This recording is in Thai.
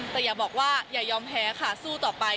แต่อย่าบอกว่าอย่ายอมแพ้ค่ะสู้ต่อไป